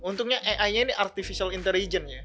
untungnya ai nya ini artificial intelligence ya